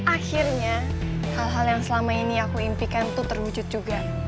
akhirnya hal hal yang selama ini aku impikan tuh terwujud juga